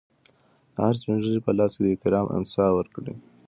د هر سپین ږیري په لاس کې د احترام امسا ورکړئ.